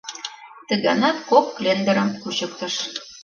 Ты ганат кок клендырым кучыктыш.